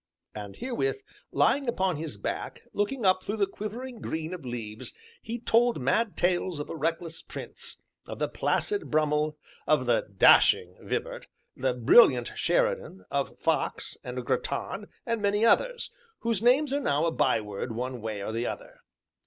And herewith, lying upon his back, looking up through the quivering green of leaves, he told mad tales of a reckless Prince, of the placid Brummel, of the "Dashing" Vibart, the brilliant Sheridan, of Fox, and Grattan, and many others, whose names are now a byword one way or the other.